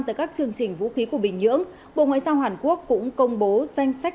tới các chương trình vũ khí của bình nhưỡng bộ ngoại giao hàn quốc cũng công bố danh sách